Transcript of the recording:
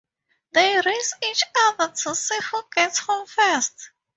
They race each other to see who gets home first.